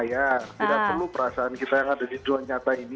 ya tidak perlu perasaan kita yang ada di dua nyata ini